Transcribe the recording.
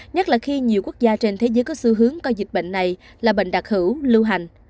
nhất là khi nhiều quốc gia trên thế giới có xu hướng coi dịch bệnh này là bệnh đặc hữu lưu hành